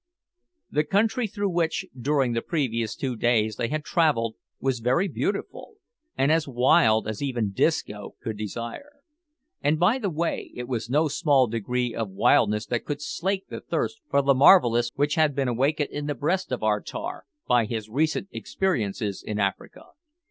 The country through which, during the previous two days, they had travelled, was very beautiful, and as wild as even Disco could desire and, by the way, it was no small degree of wildness that could slake the thirst for the marvellous which had been awakened in the breast of our tar, by his recent experiences in Africa.